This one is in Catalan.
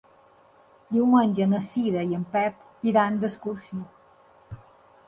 Diumenge na Cira i en Pep iran d'excursió.